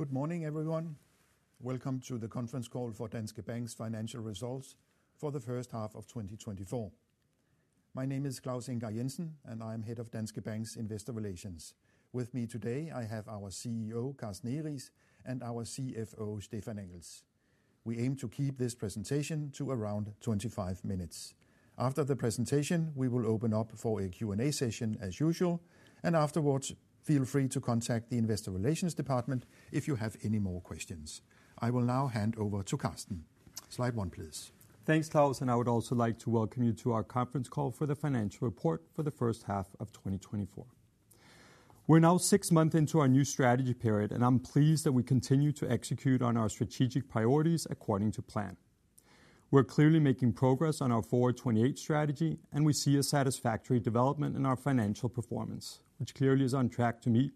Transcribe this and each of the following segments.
Good morning, everyone. Welcome to the conference call for Danske Bank's financial results for the first half of 2024. My name is Claus Ingar Jensen, and I'm Head of Danske Bank's Investor Relations. With me today, I have our CEO, Carsten Egeriis, and our CFO, Stephan Engels. We aim to keep this presentation to around 25 minutes. After the presentation, we will open up for a Q&A session as usual, and afterwards, feel free to contact the Investor Relations department if you have any more questions. I will now hand over to Carsten. Slide 1, please. Thanks, Claus, and I would also like to welcome you to our conference call for the financial report for the first half of 2024. We're now six months into our new strategy period, and I'm pleased that we continue to execute on our strategic priorities according to plan. We're clearly making progress on our Forward '28 strategy, and we see a satisfactory development in our financial performance, which clearly is on track to meet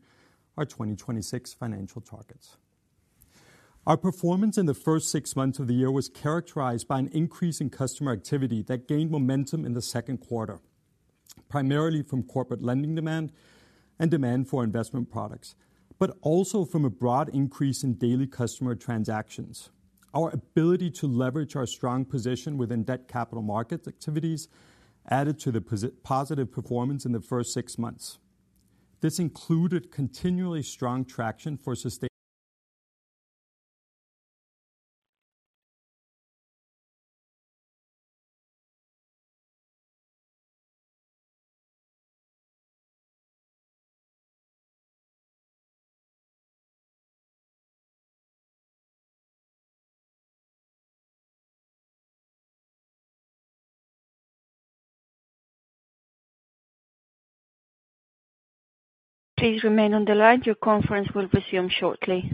our 2026 financial targets. Our performance in the first six months of the year was characterized by an increase in customer activity that gained momentum in the second quarter, primarily from corporate lending demand and demand for investment products, but also from a broad increase in daily customer transactions. Our ability to leverage our strong position within debt capital market activities added to the positive performance in the first six months. This included continually strong traction for sustain- Please remain on the line. Your conference will resume shortly.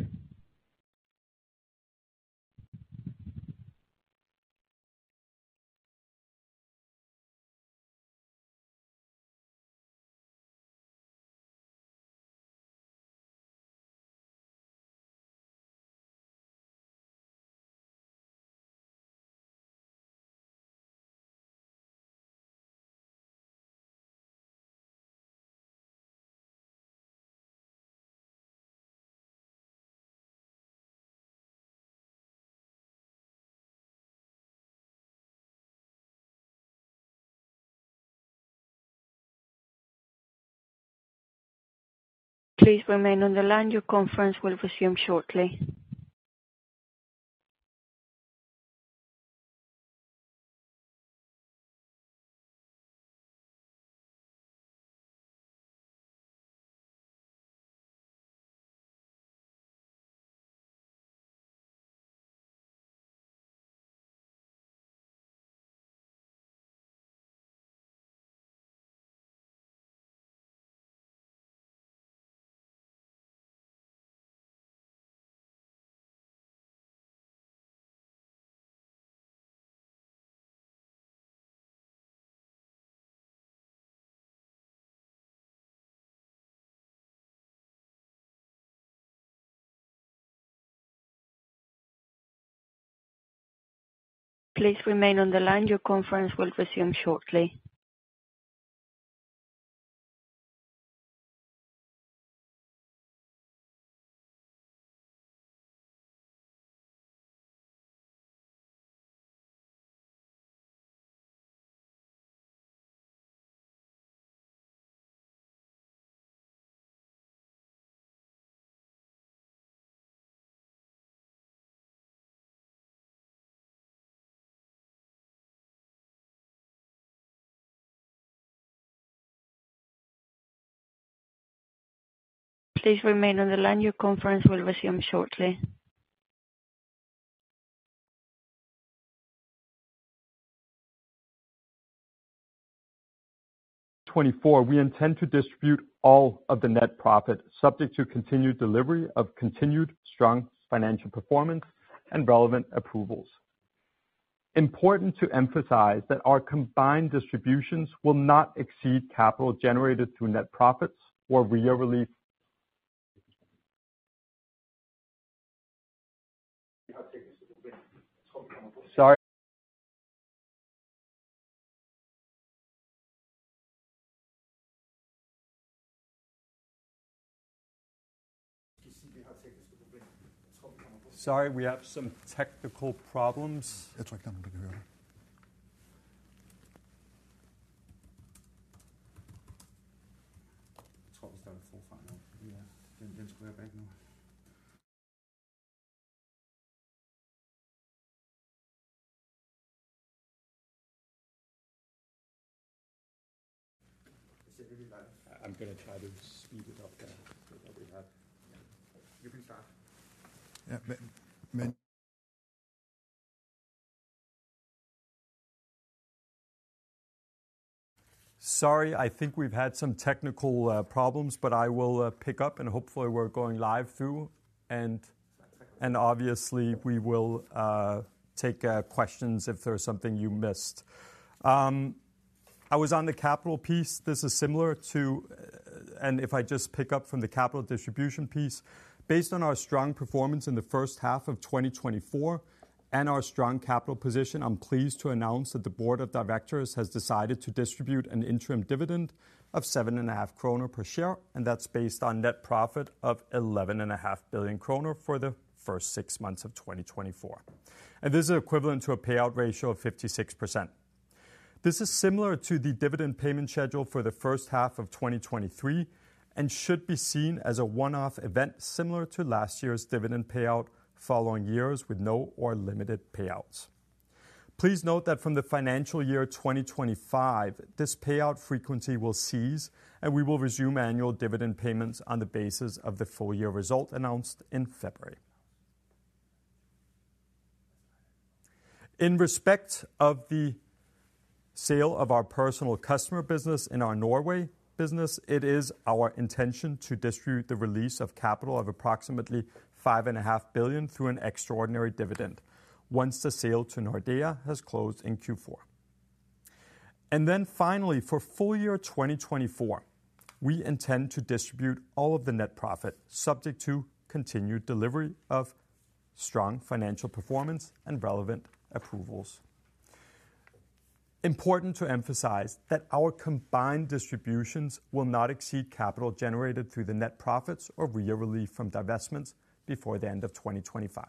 Please remain on the line. Your conference will resume shortly. Please remain on the line. Your conference will resume shortly. Please remain on the line. Your conference will resume shortly. 2024, we intend to distribute all of the net profit, subject to continued delivery of continued strong financial performance and relevant approvals. Important to emphasize that our combined distributions will not exceed capital generated through net profits Sorry, we have some technical problems. Sorry, I think we've had some technical problems, but I will pick up, and hopefully we're going live through. And obviously, we will take questions if there's something you missed. I was on the capital piece. This is similar to, and if I just pick up from the capital distribution piece, based on our strong performance in the first half of 2024 and our strong capital position, I'm pleased to announce that the board of directors has decided to distribute an interim dividend of 7.5 kroner per share, and that's based on net profit of 11.5 billion kroner for the first six months of 2024. And this is equivalent to a payout ratio of 56%. This is similar to the dividend payment schedule for the first half of 2023 and should be seen as a one-off event, similar to last year's dividend payout, following years with no or limited payouts. Please note that from the financial year 2025, this payout frequency will cease, and we will resume annual dividend payments on the basis of the full year result announced in February. In respect of the sale of our personal customer business and our Norway business, it is our intention to distribute the release of capital of approximately 5.5 billion through an extraordinary dividend once the sale to Nordea has closed in Q4. Then finally, for full year 2024, we intend to distribute all of the net profit, subject to continued delivery of strong financial performance and relevant approvals. Important to emphasize that our combined distributions will not exceed capital generated through the net profits or release from divestments before the end of 2025.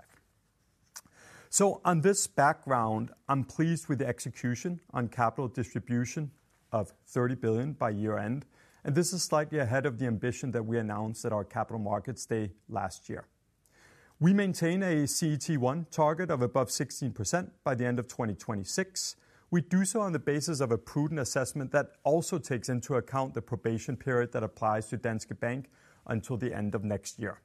So on this background, I'm pleased with the execution on capital distribution of 30 billion by year-end, and this is slightly ahead of the ambition that we announced at our Capital Markets Day last year. We maintain a CET1 target of above 16% by the end of 2026. We do so on the basis of a prudent assessment that also takes into account the probation period that applies to Danske Bank until the end of next year.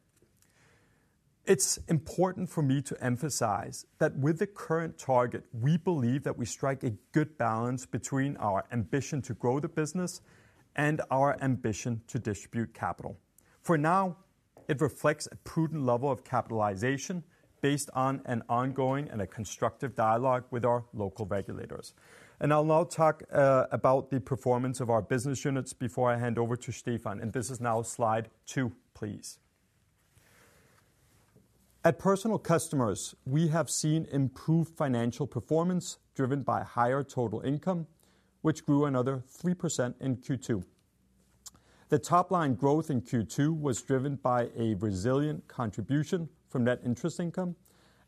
It's important for me to emphasize that with the current target, we believe that we strike a good balance between our ambition to grow the business and our ambition to distribute capital. For now, it reflects a prudent level of capitalization based on an ongoing and a constructive dialogue with our local regulators. And I'll now talk about the performance of our business units before I hand over to Stephan. This is now Slide 2, please. At Personal Customers, we have seen improved financial performance, driven by higher total income, which grew another 3% in Q2. The top-line growth in Q2 was driven by a resilient contribution from net interest income,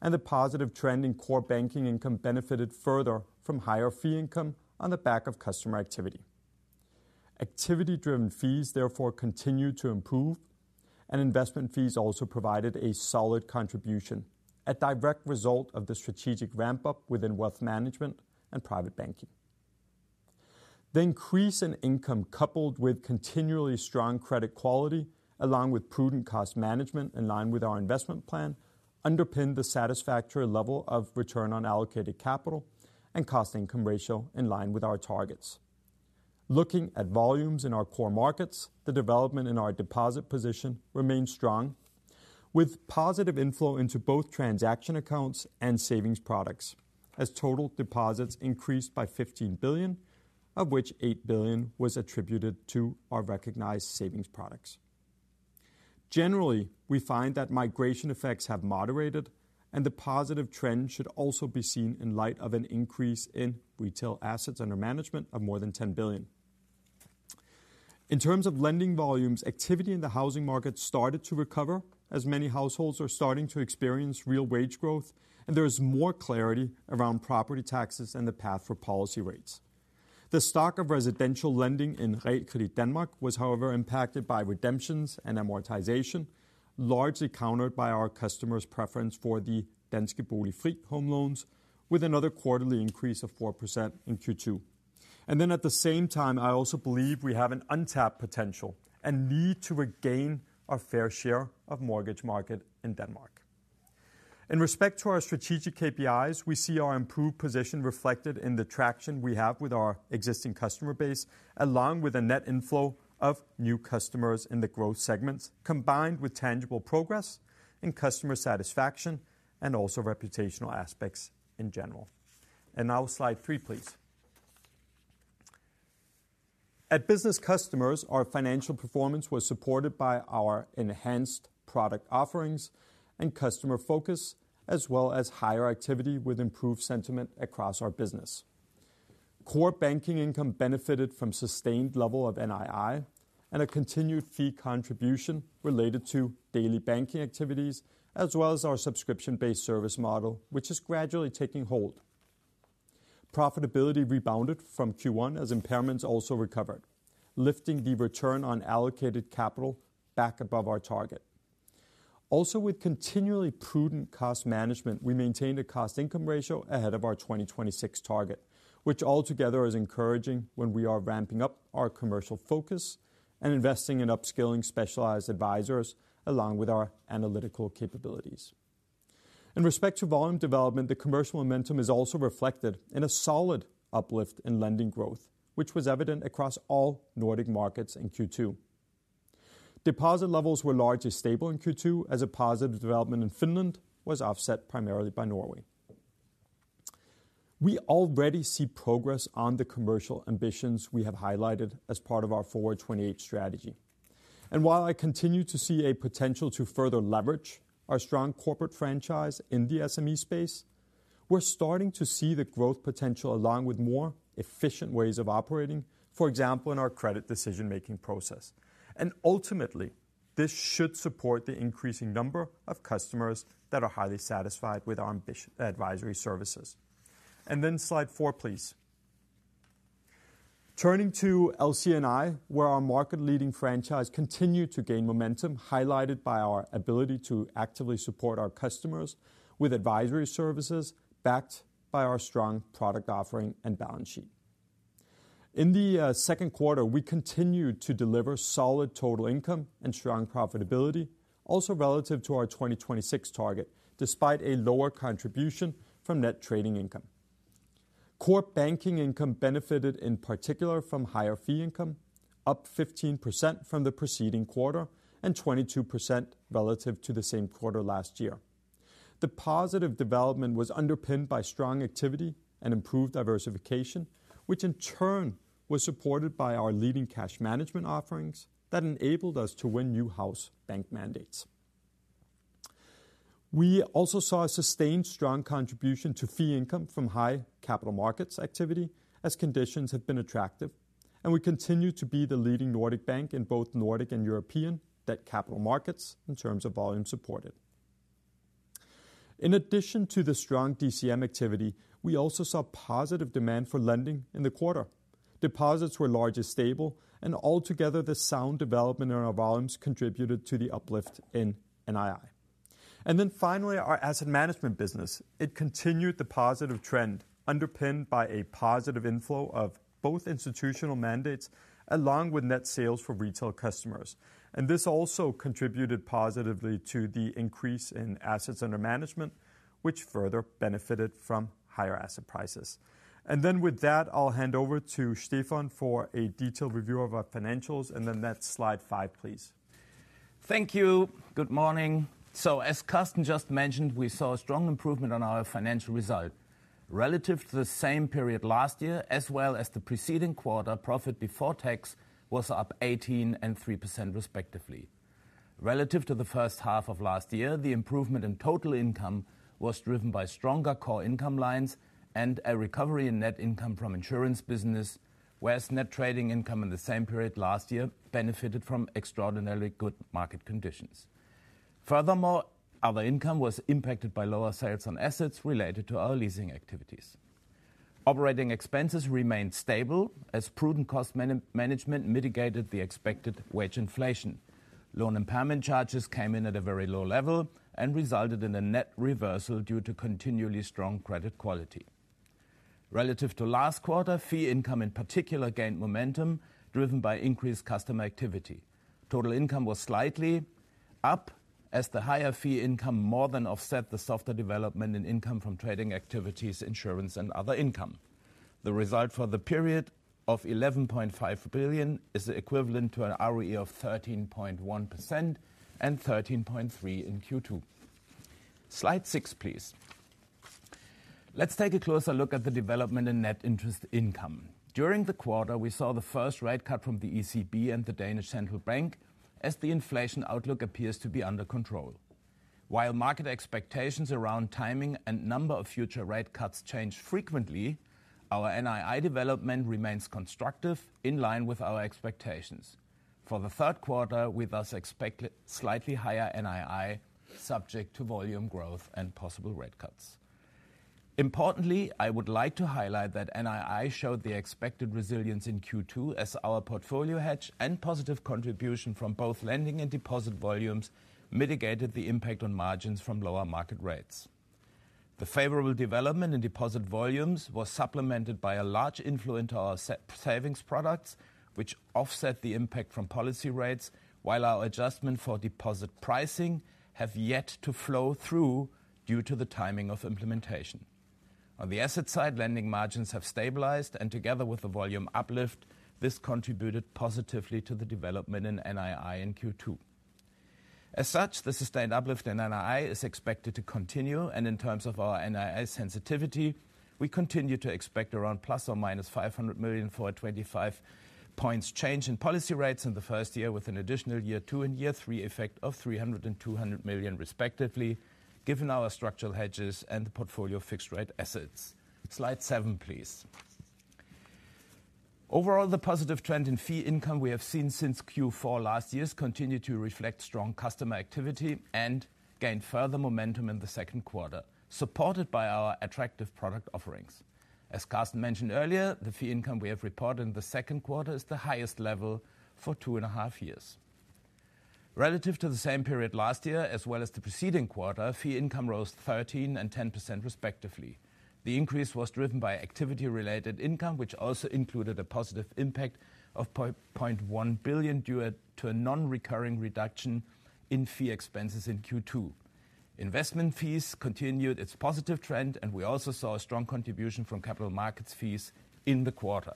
and the positive trend in core banking income benefited further from higher fee income on the back of customer activity. Activity-driven fees therefore continued to improve, and investment fees also provided a solid contribution, a direct result of the strategic ramp-up within wealth management and private banking. The increase in income, coupled with continually strong credit quality, along with prudent cost management in line with our investment plan, underpinned the satisfactory level of return on allocated capital and cost-income ratio in line with our targets. Looking at volumes in our core markets, the development in our deposit position remains strong, with positive inflow into both transaction accounts and savings products, as total deposits increased by 15 billion, of which 8 billion was attributed to our recognized savings products. Generally, we find that migration effects have moderated, and the positive trend should also be seen in light of an increase in retail assets under management of more than 10 billion. In terms of lending volumes, activity in the housing market started to recover as many households are starting to experience real wage growth, and there is more clarity around property taxes and the path for policy rates. The stock of residential lending in Realkredit Danmark was, however, impacted by redemptions and amortization, largely countered by our customers' preference for the Danske Bolig Fri home loans, with another quarterly increase of 4% in Q2. And then at the same time, I also believe we have an untapped potential and need to regain our fair share of mortgage market in Denmark. In respect to our strategic KPIs, we see our improved position reflected in the traction we have with our existing customer base, along with a net inflow of new customers in the growth segments, combined with tangible progress in customer satisfaction and also reputational aspects in general. And now Slide 3, please. At Business Customers, our financial performance was supported by our enhanced product offerings and customer focus, as well as higher activity with improved sentiment across our business. Core banking income benefited from sustained level of NII and a continued fee contribution related to daily banking activities, as well as our subscription-based service model, which is gradually taking hold. Profitability rebounded from Q1 as impairments also recovered, lifting the return on allocated capital back above our target. Also, with continually prudent cost management, we maintained a cost-income ratio ahead of our 2026 target, which altogether is encouraging when we are ramping up our commercial focus and investing in upskilling specialized advisors along with our analytical capabilities. In respect to volume development, the commercial momentum is also reflected in a solid uplift in lending growth, which was evident across all Nordic markets in Q2. Deposit levels were largely stable in Q2 as a positive development in Finland was offset primarily by Norway. We already see progress on the commercial ambitions we have highlighted as part of our Forward '28 strategy. While I continue to see a potential to further leverage our strong corporate franchise in the SME space, we're starting to see the growth potential, along with more efficient ways of operating, for example, in our credit decision-making process. Ultimately, this should support the increasing number of customers that are highly satisfied with our ambitious advisory services. Then Slide 4, please. Turning to LC&I, where our market-leading franchise continued to gain momentum, highlighted by our ability to actively support our customers with advisory services, backed by our strong product offering and balance sheet. In the second quarter, we continued to deliver solid total income and strong profitability, also relative to our 2026 target, despite a lower contribution from net trading income. Core banking income benefited, in particular, from higher fee income, up 15% from the preceding quarter and 22% relative to the same quarter last year. The positive development was underpinned by strong activity and improved diversification, which in turn was supported by our leading cash management offerings that enabled us to win new house bank mandates. We also saw a sustained strong contribution to fee income from high capital markets activity as conditions have been attractive, and we continue to be the leading Nordic bank in both Nordic and European debt capital markets in terms of volume supported. In addition to the strong DCM activity, we also saw positive demand for lending in the quarter. Deposits were largely stable, and altogether, the sound development in our volumes contributed to the uplift in NII. And then finally, our asset management business. It continued the positive trend, underpinned by a positive inflow of both institutional mandates, along with net sales for retail customers. And this also contributed positively to the increase in assets under management, which further benefited from higher asset prices. And then with that, I'll hand over to Stephan for a detailed review of our financials. And then that's Slide 5, please. Thank you. Good morning. So as Carsten just mentioned, we saw a strong improvement on our financial result. Relative to the same period last year, as well as the preceding quarter, profit before tax was up 18% and 3% respectively. Relative to the first half of last year, the improvement in total income was driven by stronger core income lines and a recovery in net income from insurance business, whereas net trading income in the same period last year benefited from extraordinarily good market conditions. Furthermore, other income was impacted by lower sales on assets related to our leasing activities. Operating expenses remained stable as prudent cost management mitigated the expected wage inflation. Loan impairment charges came in at a very low level and resulted in a net reversal due to continually strong credit quality. Relative to last quarter, fee income, in particular, gained momentum driven by increased customer activity. Total income was slightly up as the higher fee income more than offset the softer development in income from trading activities, insurance, and other income. The result for the period of 11.5 billion is equivalent to an ROE of 13.1% and 13.3% in Q2. Slide 6, please. Let's take a closer look at the development in net interest income. During the quarter, we saw the first rate cut from the ECB and the Danish Central Bank as the inflation outlook appears to be under control. While market expectations around timing and number of future rate cuts change frequently, our NII development remains constructive, in line with our expectations. For the third quarter, we thus expect slightly higher NII, subject to volume growth and possible rate cuts. Importantly, I would like to highlight that NII showed the expected resilience in Q2 as our portfolio hedge and positive contribution from both lending and deposit volumes mitigated the impact on margins from lower market rates. The favorable development in deposit volumes was supplemented by a large inflow into our savings products, which offset the impact from policy rates, while our adjustment for deposit pricing have yet to flow through due to the timing of implementation. On the asset side, lending margins have stabilized, and together with the volume uplift, this contributed positively to the development in NII in Q2. As such, the sustained uplift in NII is expected to continue, and in terms of our NII sensitivity, we continue to expect around ± 500 million for a 25 points change in policy rates in the first year, with an additional year two and year three effect of 300 million and 200 million respectively, given our structural hedges and the portfolio of fixed rate assets. Slide 7, please. Overall, the positive trend in fee income we have seen since Q4 last year has continued to reflect strong customer activity and gained further momentum in the second quarter, supported by our attractive product offerings. As Carsten mentioned earlier, the fee income we have reported in the second quarter is the highest level for two and a half years. Relative to the same period last year, as well as the preceding quarter, fee income rose 13% and 10%, respectively. The increase was driven by activity-related income, which also included a positive impact of 0.1 billion due to a non-recurring reduction in fee expenses in Q2. Investment fees continued its positive trend, and we also saw a strong contribution from capital markets fees in the quarter.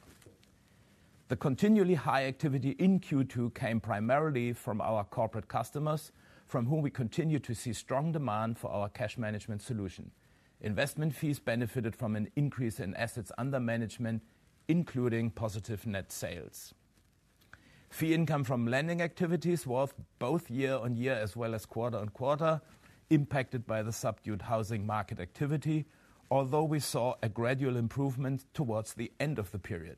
The continually high activity in Q2 came primarily from our corporate customers, from whom we continue to see strong demand for our cash management solution. Investment fees benefited from an increase in assets under management, including positive net sales. Fee income from lending activities was both year-on-year as well as quarter-on-quarter, impacted by the subdued housing market activity, although we saw a gradual improvement towards the end of the period.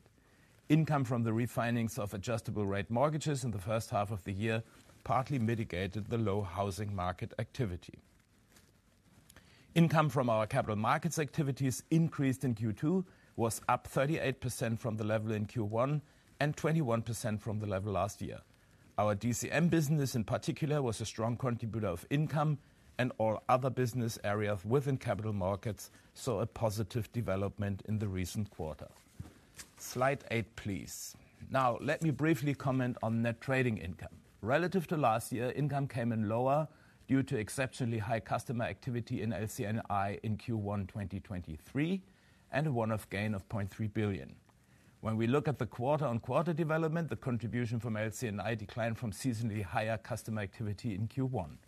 Income from the refinancings of adjustable-rate mortgages in the first half of the year partly mitigated the low housing market activity. Income from our capital markets activities increased in Q2, was up 38% from the level in Q1, and 21% from the level last year. Our DCM business in particular, was a strong contributor of income, and all other business areas within capital markets saw a positive development in the recent quarter. Slide 8, please. Now, let me briefly comment on net trading income. Relative to last year, income came in lower due to exceptionally high customer activity in LC&I in Q1, 2023, and a one-off gain of 0.3 billion. When we look at the quarter-on-quarter development, the contribution from LC&I declined from seasonally higher customer activity in Q1.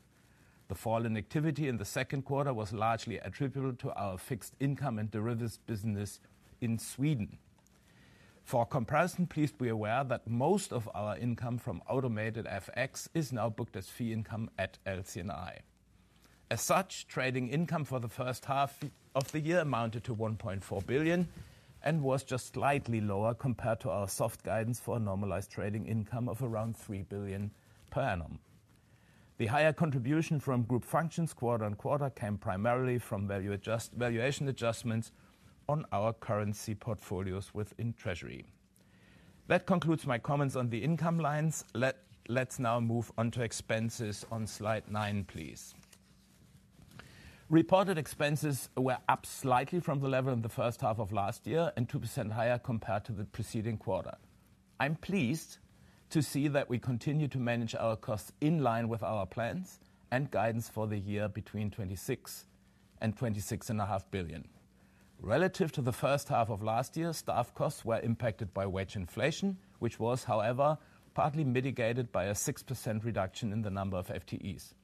The fall in activity in the second quarter was largely attributable to our fixed income and derivatives business in Sweden. For comparison, please be aware that most of our income from automated FX is now booked as fee income at LC&I. As such, trading income for the first half of the year amounted to 1.4 billion and was just slightly lower compared to our soft guidance for a normalized trading income of around 3 billion per annum. The higher contribution from group functions quarter on quarter came primarily from valuation adjustments on our currency portfolios within treasury. That concludes my comments on the income lines. Let's now move on to expenses on Slide 9, please. Reported expenses were up slightly from the level in the first half of last year and 2% higher compared to the preceding quarter. I'm pleased to see that we continue to manage our costs in line with our plans and guidance for the year between 26 billion and 26.5 billion. Relative to the first half of last year, staff costs were impacted by wage inflation, which was, however, partly mitigated by a 6% reduction in the number of FTEs.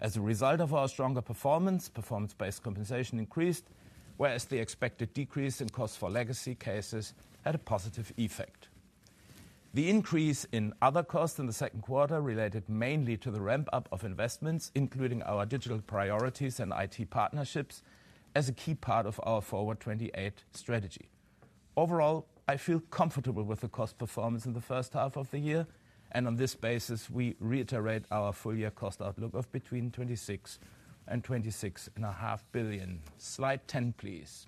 As a result of our stronger performance, performance-based compensation increased, whereas the expected decrease in costs for legacy cases had a positive effect. The increase in other costs in the second quarter related mainly to the ramp-up of investments, including our digital priorities and IT partnerships, as a key part of our Forward '28 strategy. Overall, I feel comfortable with the cost performance in the first half of the year, and on this basis, we reiterate our full-year cost outlook of between 26 billion and 26.5 billion. Slide 10, please.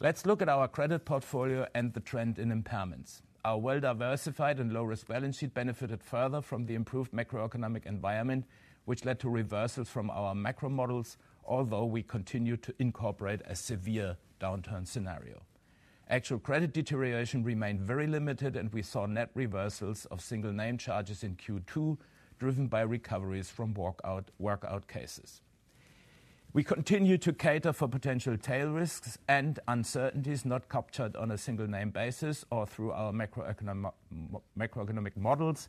Let's look at our credit portfolio and the trend in impairments. Our well-diversified and low-risk balance sheet benefited further from the improved macroeconomic environment, which led to reversals from our macro models, although we continued to incorporate a severe downturn scenario. Actual credit deterioration remained very limited, and we saw net reversals of single name charges in Q2, driven by recoveries from workout cases. We continue to cater for potential tail risks and uncertainties not captured on a single name basis or through our macroeconomic models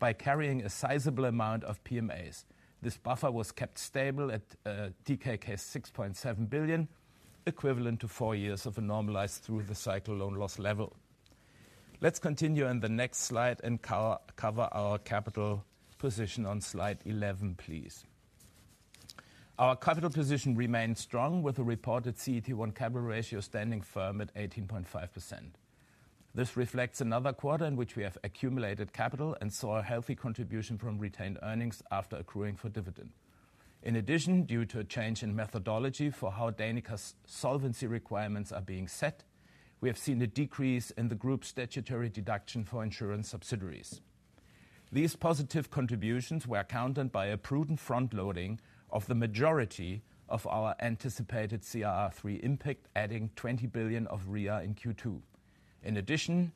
by carrying a sizable amount of PMAs. This buffer was kept stable at DKK 6.7 billion, equivalent to 4 years of a normalized through-the-cycle loan loss level. Let's continue on the next slide and cover our capital position on Slide 11, please. Our capital position remains strong, with a reported CET1 capital ratio standing firm at 18.5%. This reflects another quarter in which we have accumulated capital and saw a healthy contribution from retained earnings after accruing for dividend. In addition, due to a change in methodology for how Danica's solvency requirements are being set, we have seen a decrease in the group's statutory deduction for insurance subsidiaries. These positive contributions were countered by a prudent front loading of the majority of our anticipated CRR3 impact, adding 20 billion of REA in Q2. In addition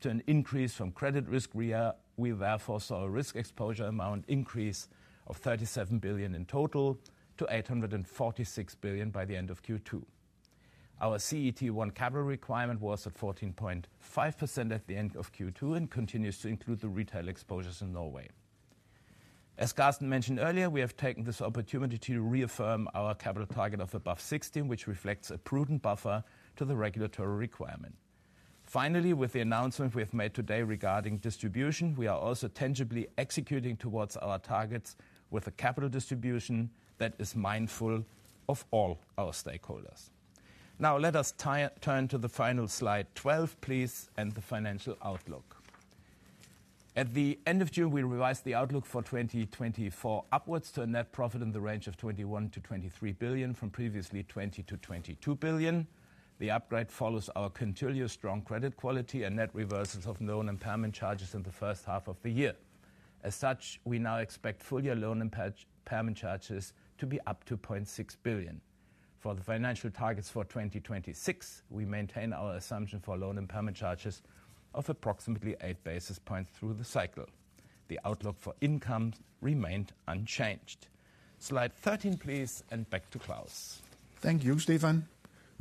to an increase from credit risk REA, we therefore saw a risk exposure amount increase of 37 billion in total to 846 billion by the end of Q2. Our CET1 capital requirement was at 14.5% at the end of Q2 and continues to include the retail exposures in Norway. As Carsten mentioned earlier, we have taken this opportunity to reaffirm our capital target of above 16%, which reflects a prudent buffer to the regulatory requirement. Finally, with the announcement we have made today regarding distribution, we are also tangibly executing towards our targets with a capital distribution that is mindful of all our stakeholders. Now, let us turn to the final Slide 12, please, and the financial outlook. At the end of June, we revised the outlook for 2024 upwards to a net profit in the range of 21 billion-23 billion from previously 20 billion-22 billion. The upgrade follows our continuous strong credit quality and net reversals of loan impairment charges in the first half of the year. As such, we now expect full-year loan impairment charges to be up to 0.6 billion.... for the financial targets for 2026, we maintain our assumption for loan impairment charges of approximately 8 basis points through the cycle. The outlook for income remained unchanged. Slide 13, please, and back to Claus. Thank you, Stephan.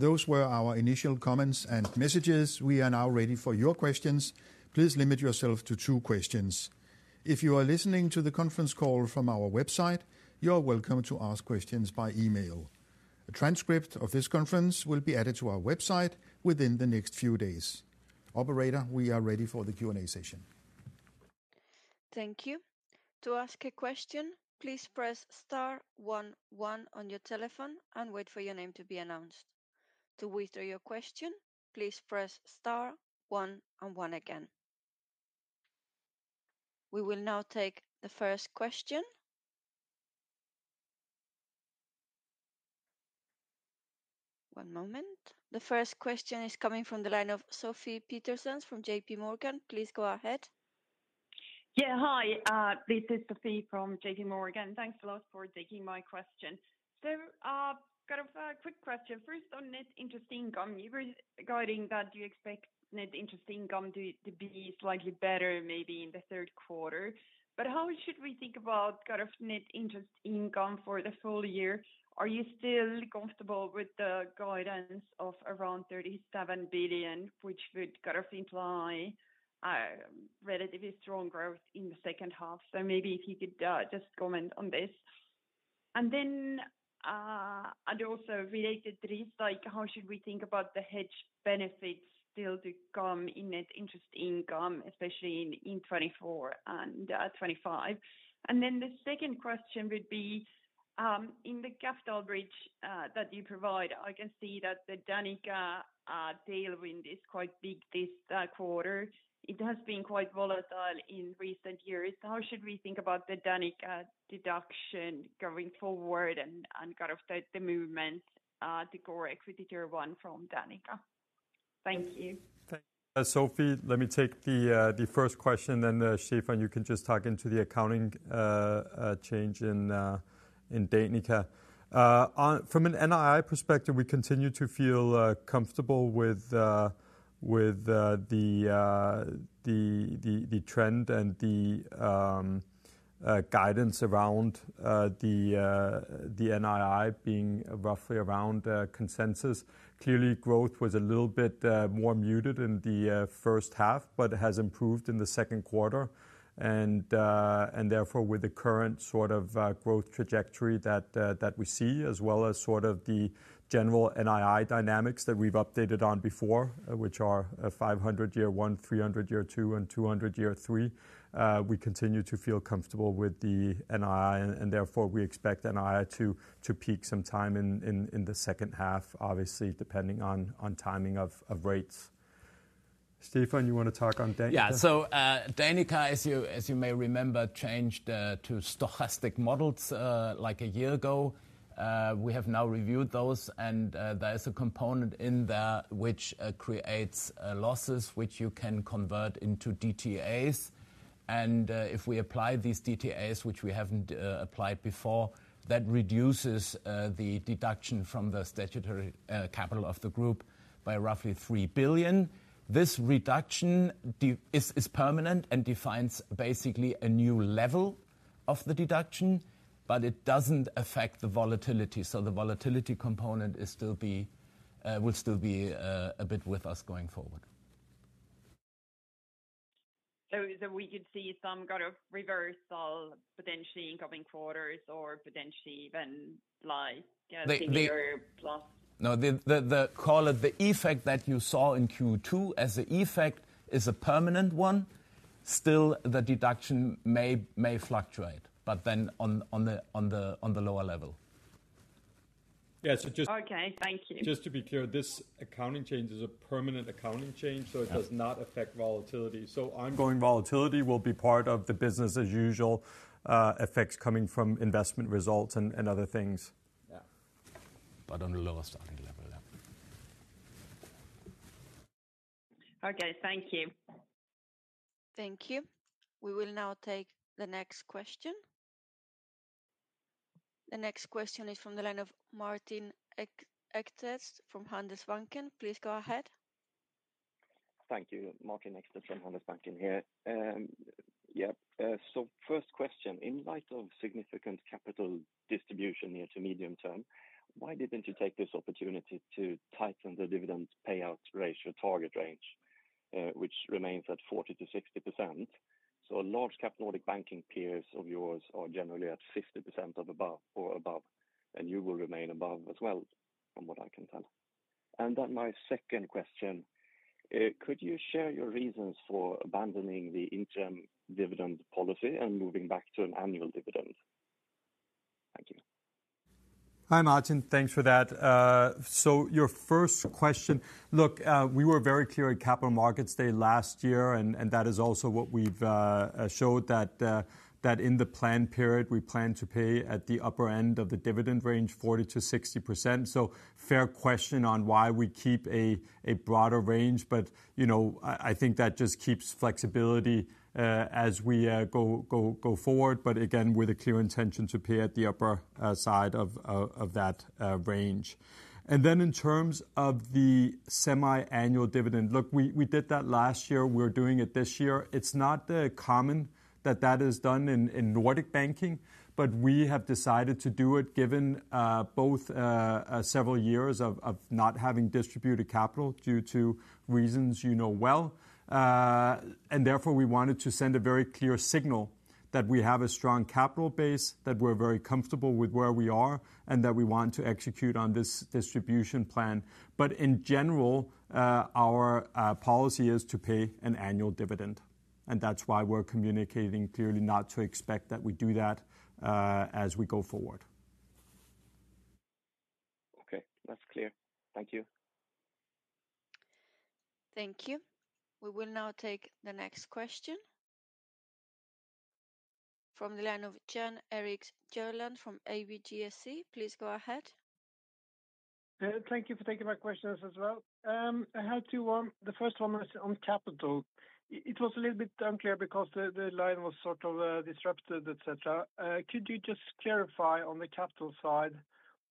Those were our initial comments and messages. We are now ready for your questions. Please limit yourself to two questions. If you are listening to the conference call from our website, you are welcome to ask questions by email. A transcript of this conference will be added to our website within the next few days. Operator, we are ready for the Q&A session. Thank you. To ask a question, please press star one one on your telephone and wait for your name to be announced. To withdraw your question, please press star one and one again. We will now take the first question. One moment. The first question is coming from the line of Sofie Peterzens from J.P. Morgan. Please go ahead. Yeah, hi, this is Sofie from J.P. Morgan. Thanks a lot for taking my question. So, kind of a quick question. First, on net interest income, you were guiding that you expect net interest income to be slightly better, maybe in the third quarter. But how should we think about kind of net interest income for the full year? Are you still comfortable with the guidance of around 37 billion, which would kind of imply relatively strong growth in the second half? So maybe if you could just comment on this. And then, and also related to this, like, how should we think about the hedge benefits still to come in net interest income, especially in 2024 and 2025? And then the second question would be, in the capital bridge that you provide, I can see that the Danica tailwind is quite big this quarter. It has been quite volatile in recent years. How should we think about the Danica deduction going forward and kind of the movement, the CET1 from Danica? Thank you. Thank you, Sofie. Let me take the first question, then Stephan, you can just talk into the accounting change in Danica. On from an NII perspective, we continue to feel comfortable with the trend and the guidance around the NII being roughly around consensus. Clearly, growth was a little bit more muted in the first half, but it has improved in the second quarter. And therefore, with the current sort of growth trajectory that we see, as well as sort of the general NII dynamics that we've updated on before, which are 500 year one, 300 year two, and 200 year three. We continue to feel comfortable with the NII, and therefore, we expect NII to peak some time in the second half, obviously, depending on timing of rates. Stephan, you want to talk on Danica? Yeah. So, Danica, as you, as you may remember, changed to stochastic models like a year ago. We have now reviewed those, and there is a component in there which creates losses which you can convert into DTAs. And, if we apply these DTAs, which we haven't applied before, that reduces the deduction from the statutory capital of the group by roughly 3 billion. This reduction is permanent and defines basically a new level of the deduction, but it doesn't affect the volatility. So the volatility component will still be a bit with us going forward. So, we could see some kind of reversal, potentially in coming quarters or potentially even like, bigger plus? No, call it the effect that you saw in Q2, as the effect is a permanent one. Still, the deduction may fluctuate, but then on the lower level. Yeah, so just- Okay, thank you. Just to be clear, this accounting change is a permanent accounting change- Yeah. so it does not affect volatility. So ongoing volatility will be part of the business as usual, effects coming from investment results and, and other things. Yeah. But on a lower starting level then. Okay, thank you. Thank you. We will now take the next question. The next question is from the line of Martin Ekstedt from Handelsbanken. Please go ahead. Thank you. Martin Ekstedt from Handelsbanken here. So first question. In light of significant capital distribution near to medium term, why didn't you take this opportunity to tighten the dividend payout ratio target range, which remains at 40%-60%? So large cap Nordic banking peers of yours are generally at 50% or above, and you will remain above as well, from what I can tell. And then my second question, could you share your reasons for abandoning the interim dividend policy and moving back to an annual dividend?... Hi, Martin. Thanks for that. So your first question: look, we were very clear at Capital Markets Day last year, and that is also what we've showed that in the plan period, we plan to pay at the upper end of the dividend range, 40%-60%. So fair question on why we keep a broader range, but, you know, I think that just keeps flexibility as we go forward, but again, with a clear intention to pay at the upper side of that range. And then in terms of the semi-annual dividend, look, we did that last year; we're doing it this year. It's not common that that is done in Nordic banking, but we have decided to do it, given both several years of not having distributed capital, due to reasons you know well. And therefore, we wanted to send a very clear signal that we have a strong capital base, that we're very comfortable with where we are, and that we want to execute on this distribution plan. But in general, our policy is to pay an annual dividend, and that's why we're communicating clearly not to expect that we do that, as we go forward. Okay, that's clear. Thank you. Thank you. We will now take the next question. From the line of Jan Erik Gjerland from ABGSC, please go ahead. Thank you for taking my questions as well. I have two. One. The first one was on capital. It was a little bit unclear because the line was sort of disrupted, et cetera. Could you just clarify on the capital side,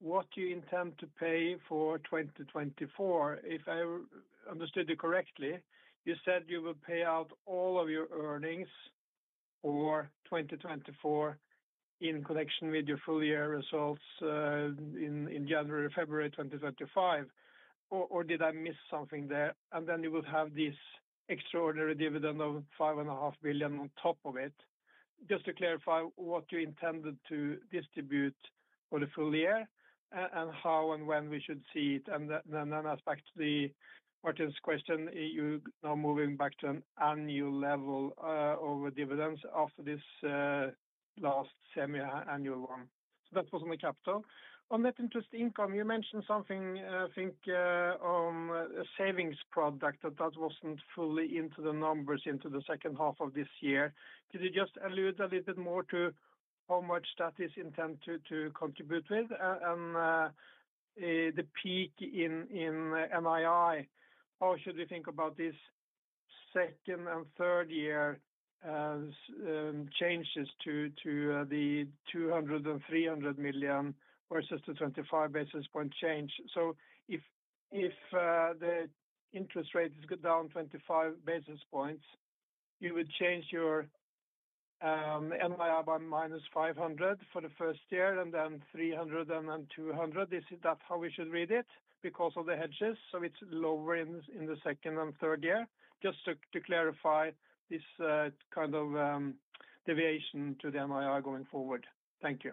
what you intend to pay for 2024? If I understood you correctly, you said you will pay out all of your earnings for 2024 in connection with your full year results in January, February 2025, or did I miss something there? And then you will have this extraordinary dividend of 5.5 billion on top of it. Just to clarify what you intended to distribute for the full year, and how and when we should see it. And then back to Martin's question, are you now moving back to an annual level over dividends after this last semi-annual one? So that was on the capital. On net interest income, you mentioned something, I think, a savings product that wasn't fully into the numbers into the second half of this year. Could you just allude a little bit more to how much that is intended to contribute with and the peak in NII? Or should we think about this second and third year as changes to the 200 million and 300 million versus the 25 basis point change? So if the interest rate is go down 25 basis points, you would change your NII by -500 for the first year, and then 300 and then 200. Is that how we should read it? Because of the hedges, so it's lower in the second and third year. Just to clarify this kind of deviation to the NII going forward. Thank you.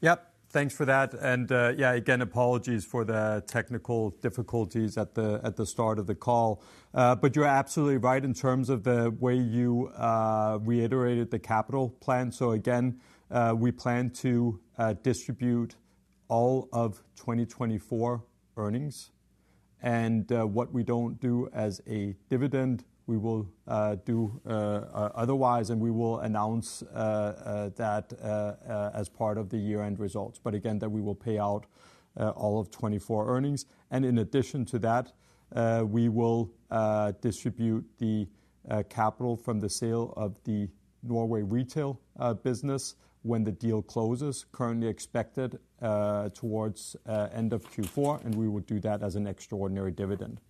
Yep. Thanks for that. And, yeah, again, apologies for the technical difficulties at the start of the call. But you're absolutely right in terms of the way you reiterated the capital plan. So again, we plan to distribute all of 2024 earnings, and, what we don't do as a dividend, we will do otherwise, and we will announce that as part of the year-end results. But again, that we will pay out all of 2024 earnings. And in addition to that, we will distribute the capital from the sale of the Norway retail business when the deal closes, currently expected towards end of Q4, and we would do that as an extraordinary dividend.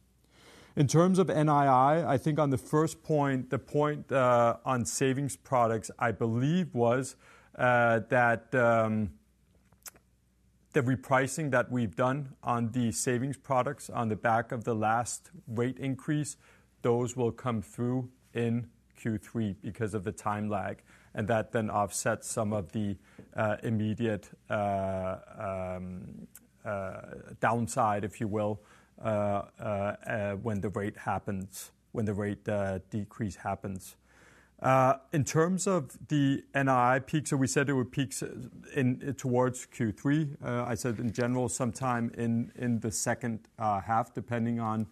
In terms of NII, I think on the first point, the point, on savings products, I believe was, that, the repricing that we've done on the savings products on the back of the last rate increase, those will come through in Q3 because of the time lag, and that then offsets some of the, immediate, downside, if you will, when the rate happens, when the rate, decrease happens. In terms of the NII peaks, so we said there were peaks in towards Q3. I said in general, sometime in, in the second, half, depending on,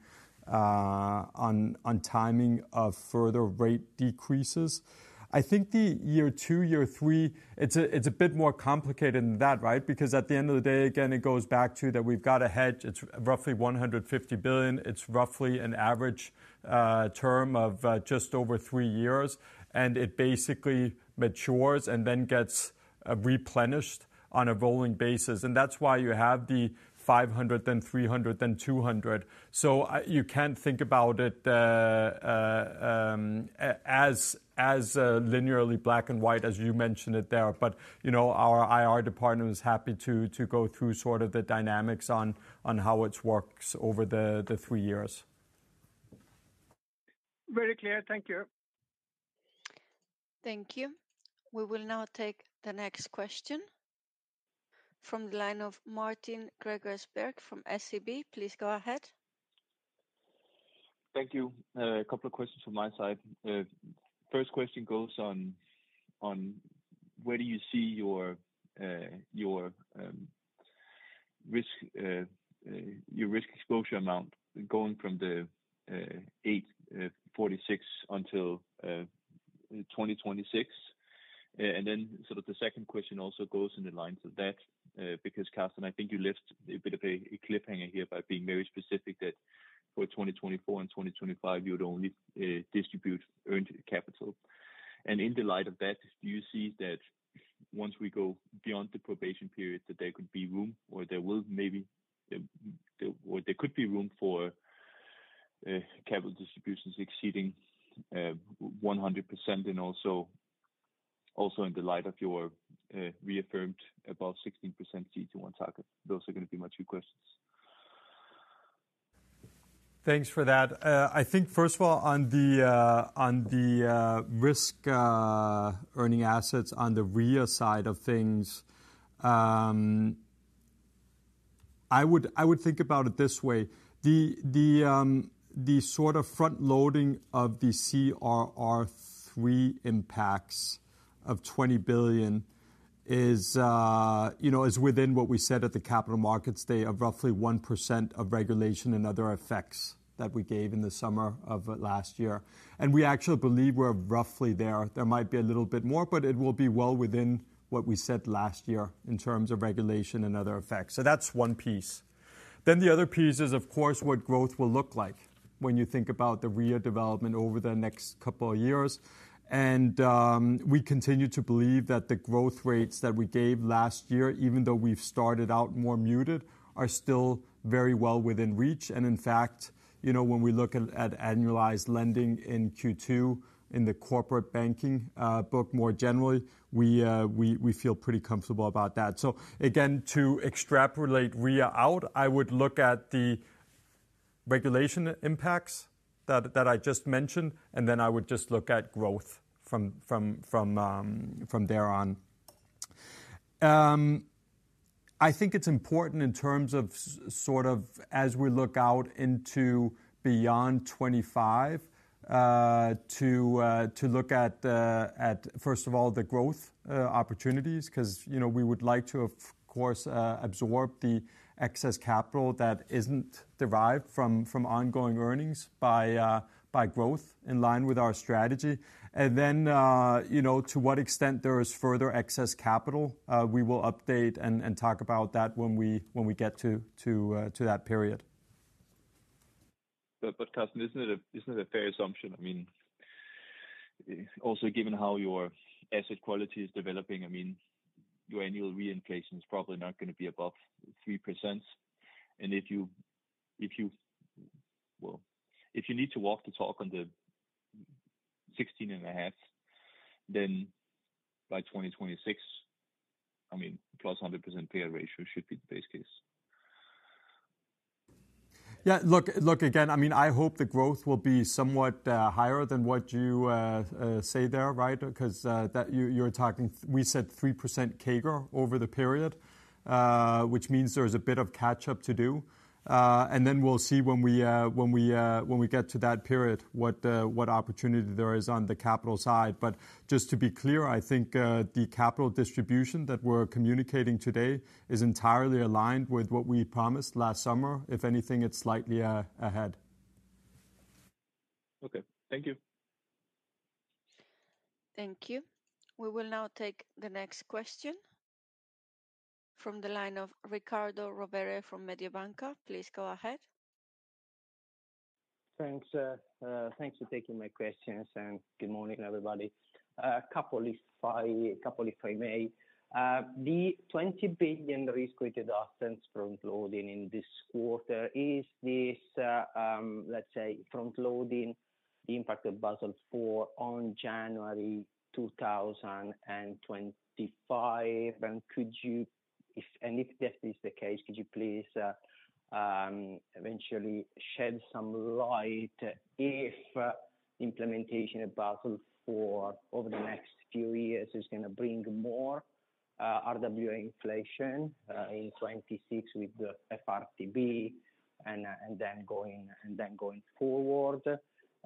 on, on timing of further rate decreases. I think the year two, year three, it's a, it's a bit more complicated than that, right? Because at the end of the day, again, it goes back to that we've got a hedge. It's roughly 150 billion. It's roughly an average term of just over three years, and it basically matures and then gets replenished on a rolling basis. And that's why you have the 500 billion, then 300 billion, then 200 billion. So you can think about it as linearly black and white, as you mentioned it there. But, you know, our IR department is happy to go through sort of the dynamics on how it works over the three years. Very clear. Thank you. Thank you. We will now take the next question from the line of Martin Gregers Birk from SEB. Please go ahead. Thank you. A couple of questions from my side. First question goes on where do you see your risk exposure amount going from the 846 billion until 2026? And then sort of the second question also goes in the lines of that, because, Carsten, I think you left a bit of a cliffhanger here by being very specific that for 2024 and 2025 you would only distribute earned capital. And in the light of that, do you see that once we go beyond the probation period, that there could be room, or there will maybe, or there could be room for capital distributions exceeding 100%, and also in the light of your reaffirmed above 16% CET1 target? Those are gonna be my two questions. Thanks for that. I think first of all, on the risk earning assets on the REA side of things, I would think about it this way. The sort of front loading of the CRR3 impacts of 20 billion is, you know, within what we said at the Capital Markets Day, of roughly 1% of regulation and other effects that we gave in the summer of last year. We actually believe we're roughly there. There might be a little bit more, but it will be well within what we said last year in terms of regulation and other effects. So that's one piece. Then the other piece is, of course, what growth will look like when you think about the REA development over the next couple of years. We continue to believe that the growth rates that we gave last year, even though we've started out more muted, are still very well within reach. In fact, you know, when we look at annualized lending in Q2, in the corporate banking book more generally, we feel pretty comfortable about that. So again, to extrapolate REA out, I would look at the regulation impacts that I just mentioned, and then I would just look at growth from thereon. I think it's important in terms of sort of as we look out into beyond 25 billion, to look at first of all the growth opportunities, 'cause, you know, we would like to, of course, absorb the excess capital that isn't derived from ongoing earnings by growth in line with our strategy. And then, you know, to what extent there is further excess capital, we will update and talk about that when we get to that period. But, Carsten, isn't it a fair assumption? I mean, also, given how your asset quality is developing, I mean, your annual reinflation is probably not gonna be above 3%. And if you, well, if you need to walk the talk on the 16.5%, then by 2026, I mean, +100% payout ratio should be the base case. Yeah. Look, look, again, I mean, I hope the growth will be somewhat higher than what you say there, right? 'Cause that you, you're talking... We said 3% CAGR over the period, which means there is a bit of catch-up to do. And then we'll see when we get to that period, what opportunity there is on the capital side. But just to be clear, I think the capital distribution that we're communicating today is entirely aligned with what we promised last summer. If anything, it's slightly ahead. Okay. Thank you. Thank you. We will now take the next question from the line of Riccardo Rovere from Mediobanca. Please go ahead. Thanks, thanks for taking my questions, and good morning, everybody. A couple if I may. The 20 billion risk-weighted assets frontloading in this quarter, is this, let's say, frontloading the impact of Basel IV on January 2025? And could you, if this is the case, could you please eventually shed some light if implementation of Basel IV over the next few years is gonna bring more RWA inflation in 2026 with the FRTB and then going forward?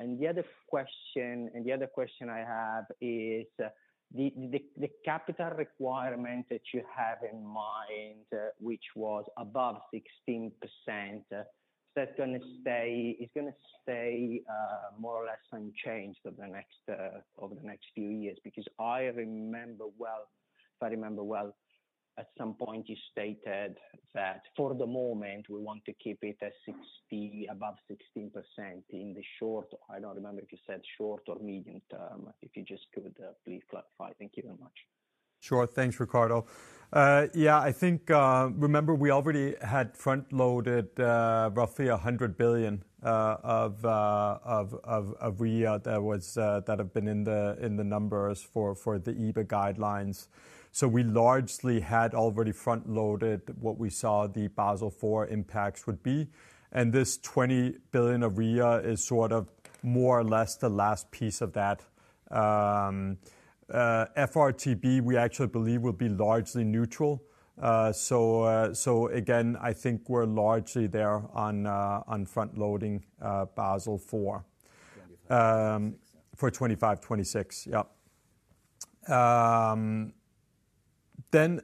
And the other question I have is, the capital requirement that you have in mind, which was above 16%, is that gonna stay-- is gonna stay more or less unchanged over the next few years? Because I remember well, if I remember well, at some point you stated that for the moment, we want to keep it at 60 billion, above 16% in the short... I don't remember if you said short or medium term. If you just could, please clarify. Thank you very much. Sure. Thanks, Riccardo. Yeah, I think, remember we already had frontloaded, roughly 100 billion of REA that have been in the numbers for the EBA guidelines. So we largely had already frontloaded what we saw the Basel IV impacts would be, and this 20 billion of REA is sort of more or less the last piece of that. FRTB, we actually believe will be largely neutral. So again, I think we're largely there on frontloading, Basel IV for 2025, 2026. Then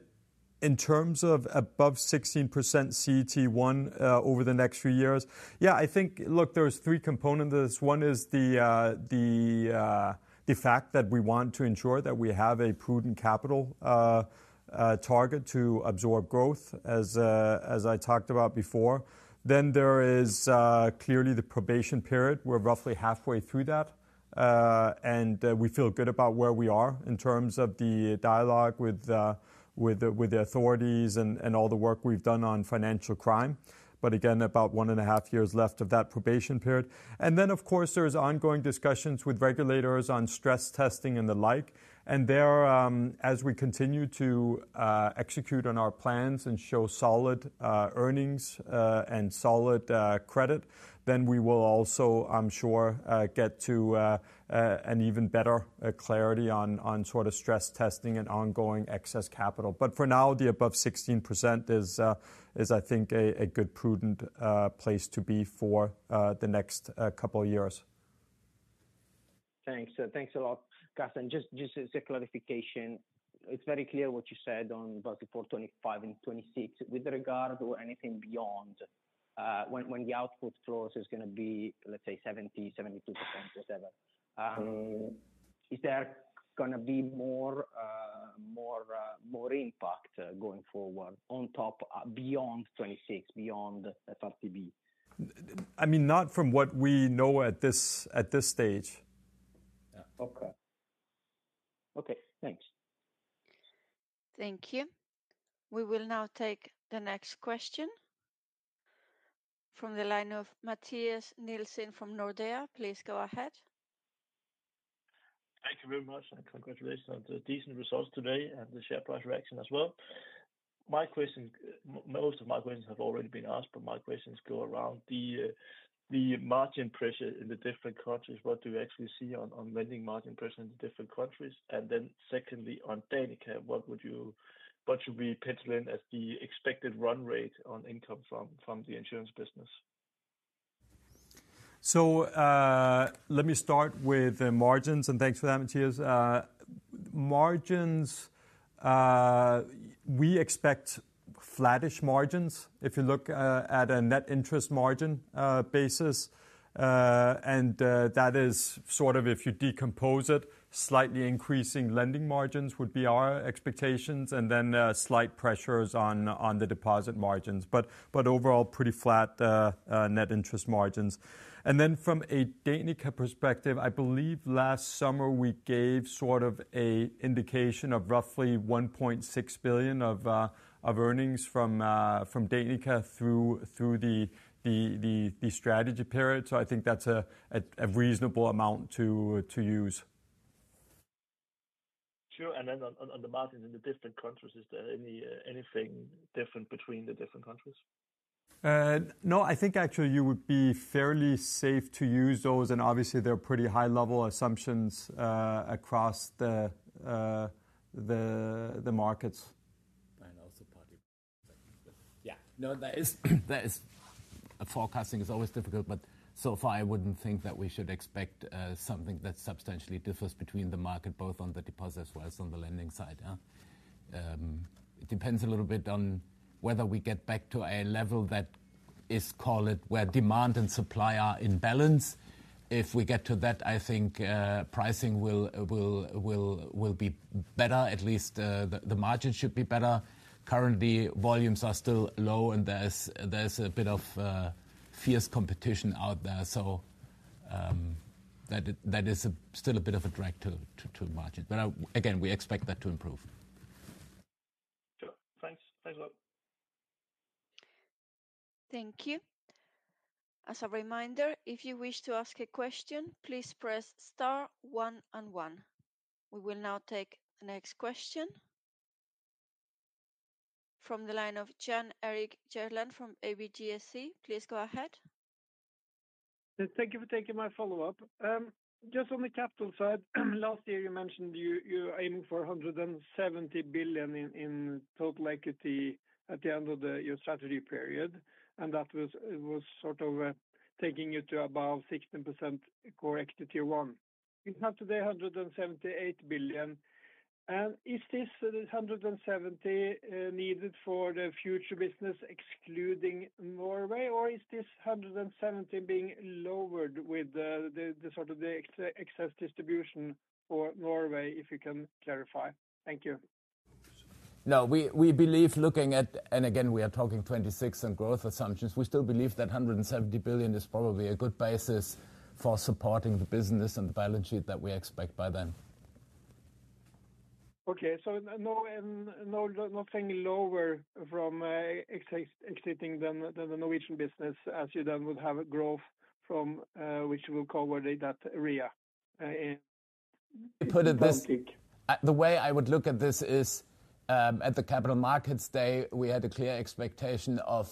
in terms of above 16% CET1, over the next few years, yeah, I think, look, there's three components. One is the fact that we want to ensure that we have a prudent capital target to absorb growth, as I talked about before. Then there is clearly the probation period. We're roughly halfway through that, and we feel good about where we are in terms of the dialogue with the authorities and all the work we've done on financial crime. But again, about one and a half years left of that probation period. And then, of course, there is ongoing discussions with regulators on stress testing and the like, and there, as we continue to execute on our plans and show solid earnings and solid credit, then we will also, I'm sure, get to an even better clarity on sort of stress testing and ongoing excess capital. But for now, the above 16% is, is I think, a, a good, prudent place to be for the next couple of years. Thanks. Thanks a lot, Carsten. Just as a clarification, it's very clear what you said on about the 2025 and 2026. With regard to anything beyond, when the output clause is gonna be, let's say 70%-72% or whatever, is there gonna be more impact going forward on top, beyond 2026, beyond FRTB? I mean, not from what we know at this, at this stage. Yeah. Okay. Okay, thanks. Thank you. We will now take the next question from the line of Mathias Nielsen from Nordea. Please go ahead. Thank you very much, and congratulations on the decent results today and the share price reaction as well. Most of my questions have already been asked, but my questions go around the margin pressure in the different countries. What do you actually see on lending margin pressure in the different countries? And then secondly, on Danica, what should we pencil in as the expected run rate on income from the insurance business? So, let me start with the margins, and thanks for that, Mathias. Margins, we expect flattish margins if you look at a net interest margin basis. And that is sort of if you decompose it, slightly increasing lending margins would be our expectations, and then slight pressures on the deposit margins. But overall, pretty flat net interest margins. And then from a Danica perspective, I believe last summer we gave sort of an indication of roughly 1.6 billion of earnings from Danica through the strategy period. So I think that's a reasonable amount to use. Sure. And then on the margins in the different countries, is there anything different between the different countries? No, I think actually you would be fairly safe to use those, and obviously, they're pretty high-level assumptions across the markets. And also partly. Yeah. No, that is. Forecasting is always difficult, but so far, I wouldn't think that we should expect something that substantially differs between the market, both on the deposits as well as on the lending side. It depends a little bit on whether we get back to a level that is, call it, where demand and supply are in balance. If we get to that, I think pricing will be better. At least the margin should be better. Currently, volumes are still low, and there's a bit of fierce competition out there. So, that is still a bit of a drag to the margin. But again, we expect that to improve. Sure. Thanks. Thanks a lot. Thank you. As a reminder, if you wish to ask a question, please press star one and one. We will now take the next question from the line of Jan Erik Gjerland from ABGSC. Please go ahead. Thank you for taking my follow-up. Just on the capital side, last year, you mentioned you're aiming for 170 billion in total equity at the end of your strategy period, and that was sort of taking you to about 16% CET1. You have today 178 billion. And is this 170 billion needed for the future business excluding Norway, or is this 170 billion being lowered with the sort of excess distribution for Norway, if you can clarify? Thank you. No, we believe looking at - and again, we are talking 2026 and growth assumptions. We still believe that 170 billion is probably a good basis for supporting the business and the balance sheet that we expect by then. Okay. So no, no, nothing lower from exiting the Norwegian business as you then would have a growth from, which will cover that area in- To put it this- [Banking]. The way I would look at this is, at the Capital Markets Day, we had a clear expectation of,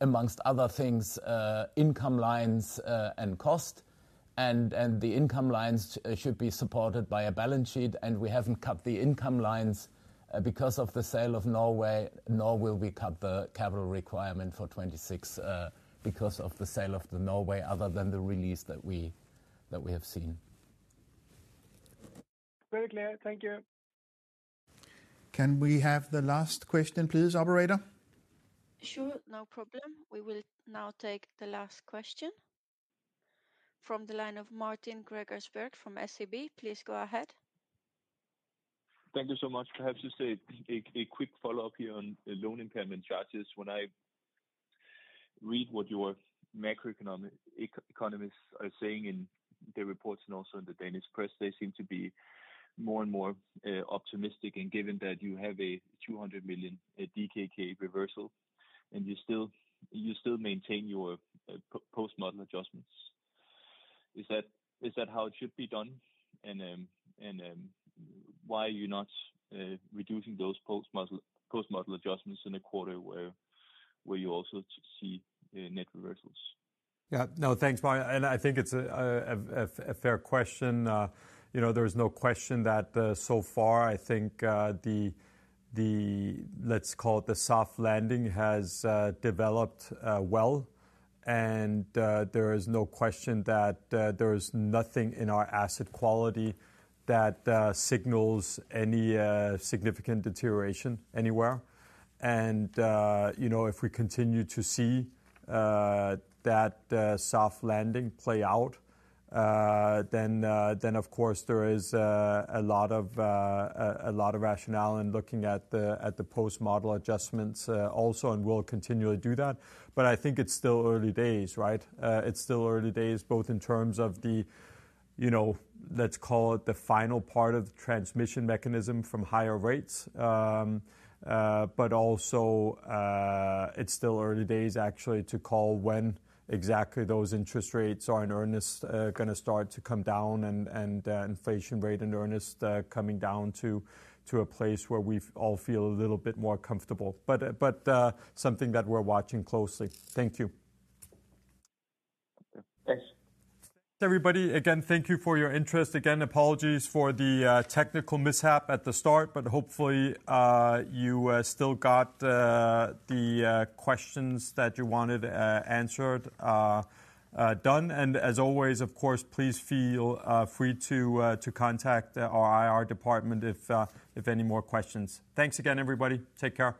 amongst other things, income lines, and cost, and, and the income lines should be supported by a balance sheet, and we haven't cut the income lines, because of the sale of Norway, nor will we cut the capital requirement for 2026, because of the sale of the Norway, other than the release that we, that we have seen. Very clear. Thank you. Can we have the last question, please, operator? Sure, no problem. We will now take the last question from the line of Martin Gregers Birk from SEB. Please go ahead. Thank you so much. I have to say a quick follow-up here on loan impairment charges. When I read what your macroeconomic economists are saying in their reports and also in the Danish press, they seem to be more and more optimistic. And given that you have a 200 million DKK reversal, and you still maintain your post model adjustments. Is that how it should be done? And why are you not reducing those post model adjustments in a quarter where you also see net reversals? Yeah. No, thanks, Martin, and I think it's a fair question. You know, there is no question that so far I think the soft landing has developed well. And there is no question that there is nothing in our asset quality that signals any significant deterioration anywhere. And you know, if we continue to see that soft landing play out, then of course there is a lot of rationale in looking at the post-model adjustments also, and we'll continually do that. But I think it's still early days, right? It's still early days, both in terms of the you know, let's call it the final part of the transmission mechanism from higher rates. But also, it's still early days, actually, to call when exactly those interest rates are in earnest gonna start to come down and inflation rate in earnest coming down to a place where we've all feel a little bit more comfortable. But something that we're watching closely. Thank you. Thanks. Thanks, everybody. Again, thank you for your interest. Again, apologies for the technical mishap at the start, but hopefully you still got the questions that you wanted answered done. As always, of course, please feel free to contact our IR department if any more questions. Thanks again, everybody. Take care.